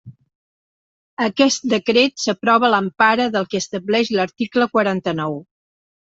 Aquest decret s'aprova a l'empara del que estableix l'article quaranta-nou.